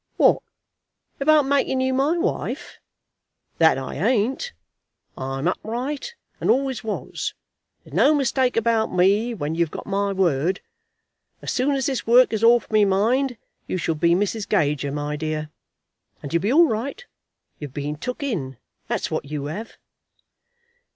"What; about making you my wife? That I ain't. I'm upright, and always was. There's no mistake about me when you've got my word. As soon as this work is off my mind, you shall be Mrs. Gager, my dear. And you'll be all right. You've been took in, that's what you have."